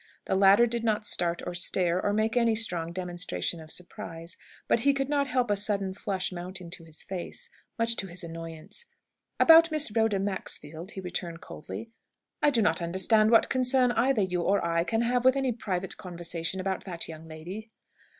The latter did not start or stare, or make any strong demonstration of surprise, but he could not help a sudden flush mounting to his face, much to his annoyance. "About Miss Rhoda Maxfield?" he returned coldly; "I do not understand what concern either you or I can have with any private conversation about that young lady."